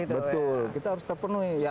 betul kita harus terpenuhi